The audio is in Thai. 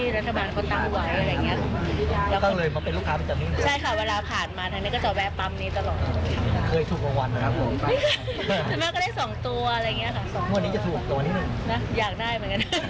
เราขายที่นี่เราขายจำนวนนะครับ